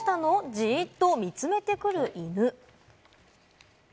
じーっと見つめてくる犬。